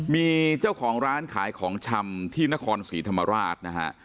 มีเจ้าของร้านขายของชำที่นครศรีธรรมราชนะฮะ